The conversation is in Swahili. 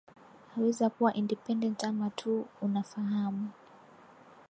aweza kuwa independent ama tuu unafahamu